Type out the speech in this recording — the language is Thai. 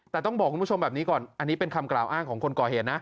แต่ต้องบอกคุณผู้ชมแบบนี้ก่อนอันนี้เป็นคำกล่าวอ้างของคนก่อเหตุนะ